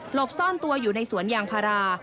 บซ่อนตัวอยู่ในสวนยางพารา